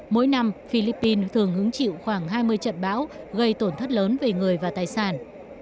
mỗi năm philippines thường hứng chịu khoảng hai mươi trận bão gây tổn thất lớn về người và tài sản